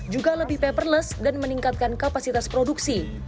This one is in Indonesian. juga lebih paperless dan meningkatkan kapasitas produksi